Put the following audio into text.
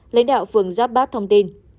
lãnh đạo phường giáp bát thông tin